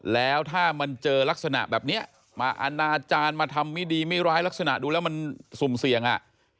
แล้วถ้ามันเจอลักษณะแบบนี้มาอนาจารย์มาทำไม่ดีไม่ร้ายลักษณะดูแล้วมันสุ่มเสี่ยงอ่ะ